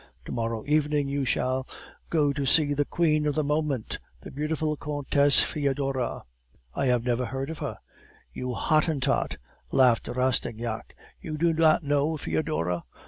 To morrow evening you shall go to see that queen of the moment the beautiful Countess Foedora....' "'I have never heard of her....' "'You Hottentot!' laughed Rastignac; 'you do not know Foedora?